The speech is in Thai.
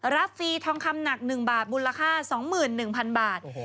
ฟรีทองคำหนัก๑บาทมูลค่า๒๑๐๐๐บาท